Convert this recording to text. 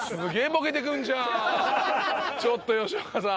ちょっと吉岡さん。